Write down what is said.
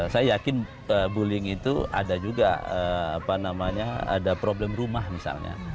saya yakin bullying itu ada juga ada problem rumah misalnya